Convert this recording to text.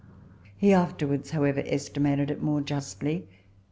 He afterwards, however, estimated it more justly.